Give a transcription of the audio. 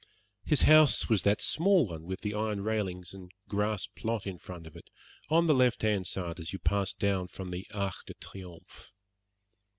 His house was that small one, with the iron railings and grass plot in front of it, on the left hand side as you pass down from the Arc de Triomphe.